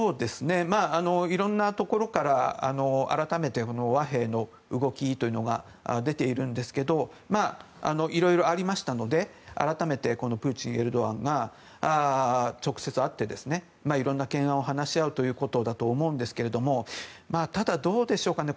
色んなところから改めて和平の動きというのが出ているんですけど色々ありましたので改めてプーチン、エルドアンが直接会って色んな懸案を話し合うということなんだと思うんですがただ、どうでしょうかね。